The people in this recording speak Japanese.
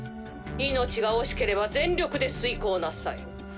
命が惜しければ全力で遂行なさい。